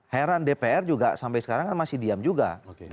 heran dpr juga sampai sekarang kan masih diam juga